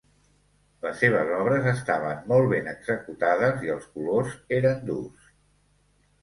Les seves obres estaven molt ben executades i els colors eren durs.